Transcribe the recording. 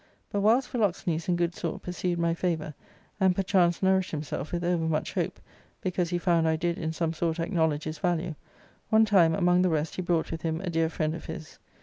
" But whiles Philoxenus in good sort pursued my favour, and perchance nourished himself with over much hope, because he found I did in some sort acknowledge his value, one time among the rest he brought with him a dear friend of his."